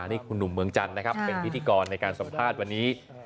นี่คุณหนุ่มเมืองจันทร์นะครับเป็นพิธีกรในการสัมภาษณ์วันนี้